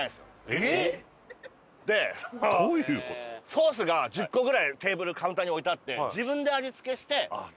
ソースが１０個ぐらいテーブルカウンターに置いてあって。